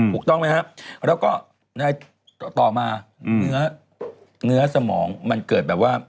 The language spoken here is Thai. ถูกต้องไหมครับแล้วก็ในต่อมาเนื้อสมองมันเกิดแบบว่า